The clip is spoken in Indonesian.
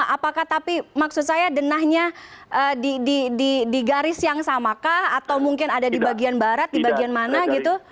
apakah tapi maksud saya denahnya di garis yang samakah atau mungkin ada di bagian barat di bagian mana gitu